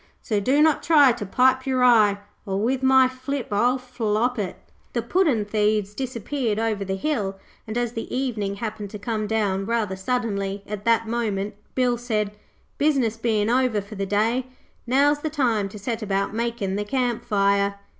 So do not try to pipe your eye, Or with my flip I'll flop it.' The puddin' thieves disappeared over the hill and, as the evening happened to come down rather suddenly at that moment, Bill said, 'Business bein' over for the day, now's the time to set about makin' the camp fire.'